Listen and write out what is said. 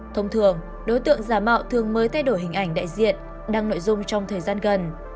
thông thường đối tượng giả mạo thường mới thay đổi hình ảnh đại diện đăng nội dung trong thời gian gần